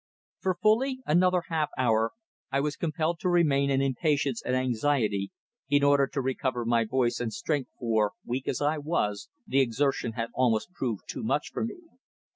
For fully another half hour I was compelled to remain in impatience and anxiety in order to recover my voice and strength for, weak as I was, the exertion had almost proved too much for me.